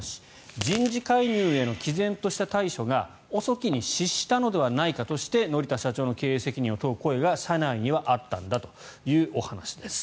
人事介入へのきぜんとした対処が遅きに失したのではないかとして乗田社長の経営責任を問う声が社内にはあったんだという話です。